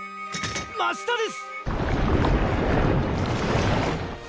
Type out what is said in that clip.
真下です！